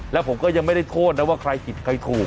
แล้วผมก็ยังไม่ได้โทษนะว่าใครผิดใครถูก